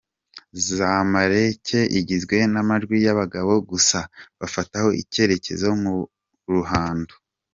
z'amerika igizwe n'amajwi y'abagabo gusa bafataho icyitegererezo mu ruhando